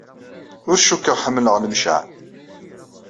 Ur cukkeɣ ḥemmleɣ Lemceɛ.